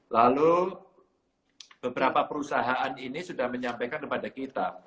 lalu beberapa perusahaan ini sudah menyampaikan kepada kita